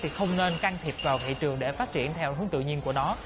thì không nên can thiệp vào thị trường để phát triển theo hướng tự nhiên của nó